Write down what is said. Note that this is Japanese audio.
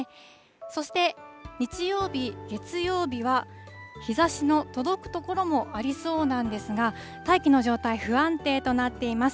そして日曜日、月曜日は日ざしの届く所もありそうなんですが、大気の状態不安定となっています。